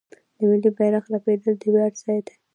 د ملي بیرغ رپیدل د ویاړ ځای دی.